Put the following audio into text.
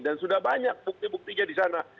dan sudah banyak bukti bukti aja di sana